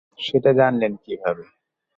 সেটা জানলেন কীভাবে?